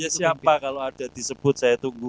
ya siapa kalau ada disebut saya tunggu